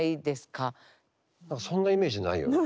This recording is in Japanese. そんなイメージないよね？